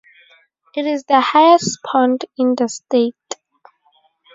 It is the highest pond in the state.